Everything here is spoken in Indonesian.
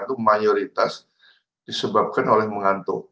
itu mayoritas disebabkan oleh mengantuk